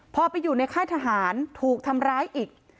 พอไปอยู่ในค่ายทหารถูกทำร้ายอีก